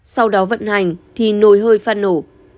sau đó vận hành thì nồi hơi phát nổ